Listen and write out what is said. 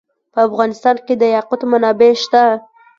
په افغانستان کې د یاقوت منابع شته.